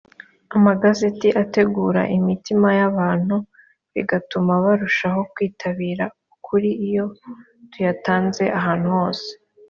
amagazeti ategura imitima y’abantu bigatuma barushaho kwitabira ukuri iyo tuyatanze ahantu hose